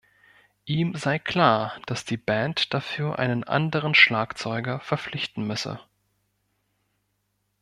Ihm sei klar, dass die Band dafür einen anderen Schlagzeuger verpflichten müsse.